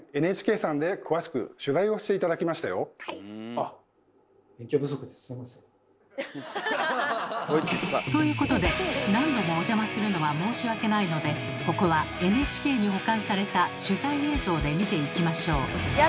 あっということで何度もお邪魔するのは申し訳ないのでここはＮＨＫに保管された取材映像で見ていきましょう。